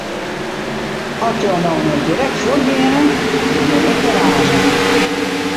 At jo no net direkt fuort geane, begjin ik te razen.